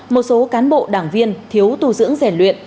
một số cán bộ đảng viên thiếu tu dưỡng rèn luyện